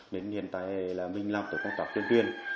nên hiện tại là mình làm tổ chức công tác tuyên truyền